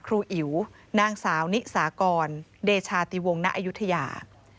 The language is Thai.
อิ๋วนางสาวนิสากรเดชาติวงณอายุทยา